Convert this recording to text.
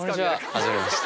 はじめまして。